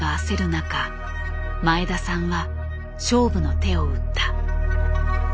中前田さんは勝負の手を打った。